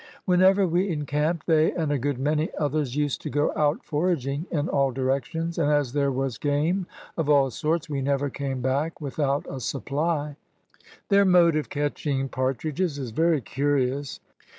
"Whenever we encamped, they and a good many others used to go out foraging in all directions, and as there was game of all sorts we never came back without a supply. "Their mode of catching partridges is very curious.